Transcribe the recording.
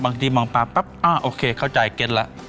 บางทีมองปลาปั๊บอ่าโอเคเข้าใจเก็ตแล้ว